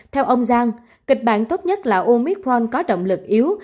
theo ông giang kịch bản tốt nhất là omicron có động lực yếu